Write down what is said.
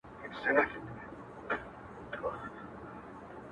سیوري ناست که وجودونه راستانۀ شي